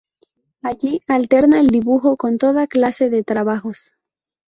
Allí alterna el dibujo con toda clase de trabajos.